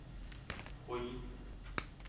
暉